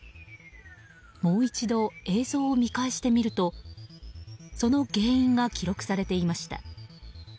もう一度、映像を見返してみるとその原因が記録されていました。